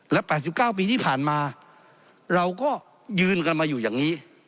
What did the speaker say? และ๘๙ปีที่ผ่านมาเราก็ยืนกันมาอยู่อย่างนี้